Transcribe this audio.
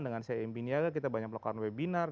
dengan cmb niaga kita banyak melakukan webinar